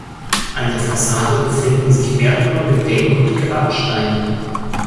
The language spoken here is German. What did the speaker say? An der Fassade befinden sich mehrere Gedenk- und Grabsteine.